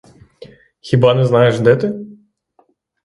Хіба не знаєш, де ти?